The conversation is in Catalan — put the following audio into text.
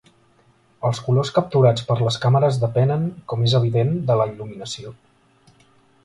Els colors capturats per les càmeres depenen, com és evident, de la il·luminació.